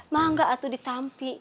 mangga atuh ditampi